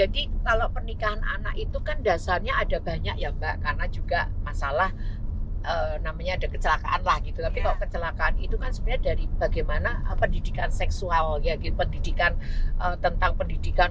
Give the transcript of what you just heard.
kalau pernikahan anak itu mungkin ada banyak ya mbak karena juga masalah namanya ada kecelakaan nah gitu tapicio kecelakaan itu masa dari bagaimana pendidikan seksual dog pendidikan tentang pendidikan